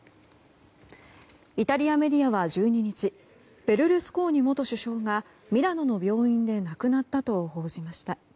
イタリアメディアは１２日ベルルスコーニ元首相がミラノの病院で亡くなったと報じました。